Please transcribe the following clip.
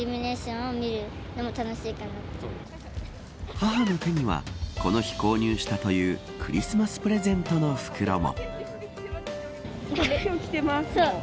母の手にはこの日購入したというクリスマスプレゼントの袋も。